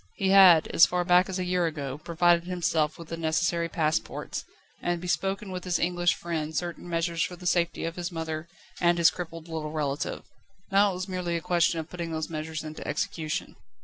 He had, as far back as a year ago, provided himself with the necessary passports, and bespoken with his English friend certain measures for the safety of his mother and his crippled little relative. Now it was merely a question of putting these measures into execution.